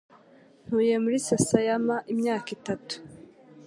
Ntuye muri Sasayama imyaka itatu.